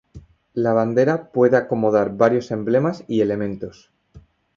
La bandera puede acomodar varios emblemas y elementos.